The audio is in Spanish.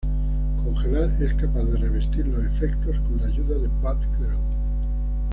Congelar es capaz de revertir los efectos con la ayuda de Batgirl.